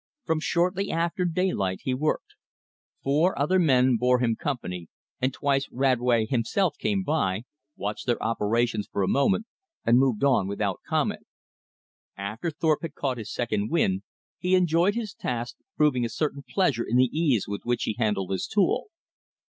From shortly after daylight he worked. Four other men bore him company, and twice Radway himself came by, watched their operations for a moment, and moved on without comment. After Thorpe had caught his second wind, he enjoyed his task, proving a certain pleasure in the ease with which he handled his tool.